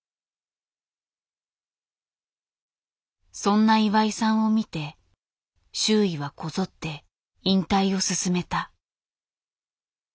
そんな岩井さんを見て周囲はこぞって引退を勧めた。